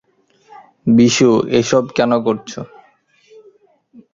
বিশু, এসব কেন করছো?